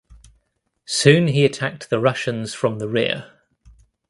Soon he attacked the Russians from the rear.